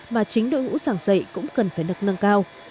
mà chính đội ngũ giảng dạy cũng cần phải được nâng cao